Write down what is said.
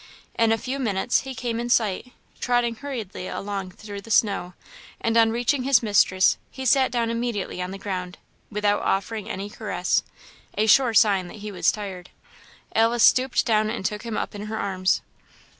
In a few minutes he came in sight, trotting hurriedly along through the snow, and on reaching his mistress he sat down immediately on the ground, without offering any caress a sure sign that he was tired. Alice stooped down and took him up in her arms.